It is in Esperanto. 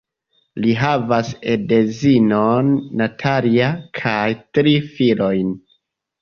Li havas edzinon Natalia kaj tri filojn.